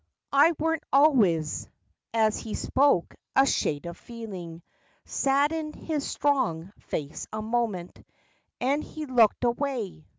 I wern't always—" As he spoke, a shade of feeling Saddened his strong face a moment, And he looked away.